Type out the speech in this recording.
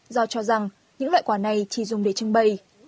do cho rằng những loại quả này chỉ dùng để trưng bày